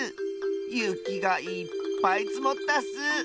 ゆきがいっぱいつもったッス！